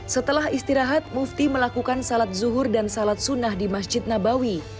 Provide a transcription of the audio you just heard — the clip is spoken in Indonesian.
setelah istirahat mufti melakukan salat zuhur dan salat sunnah di masjid nabawi